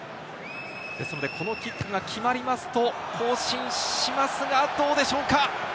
このキックが決まりますと更新しますが、どうでしょうか？